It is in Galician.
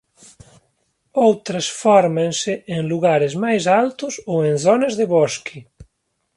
Outras fórmanse en lugares máis altos ou en zonas de bosque.